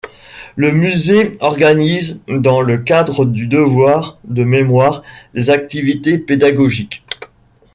Le musée organise, dans le cadre du devoir de mémoire des activités pédagogiques.